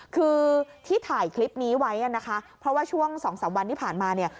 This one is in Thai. คือที่ถ่ายคลิปนี้ไว้นะคะเพราะว่าช่วง๒๓วันที่ผ่านมาเนี่ย